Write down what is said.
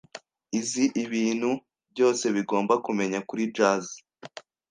Izi ibintu byose bigomba kumenya kuri jazz.